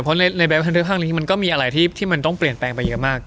เพราะในแบบอันเทอร์ทั้งมีอะไรที่ปลื่นแปลงมาอย่างมาก